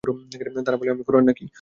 তারা বলে, আমি খোঁড়া।